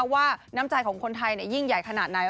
ว่าน้ำใจของคนไทยยิ่งใหญ่ขนาดไหน